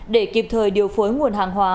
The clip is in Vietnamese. để kịp thời điều phối nguồn hàng hóa